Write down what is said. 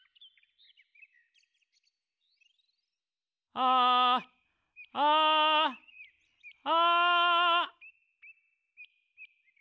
「あああ」